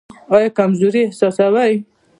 ایا کمزوري احساسوئ؟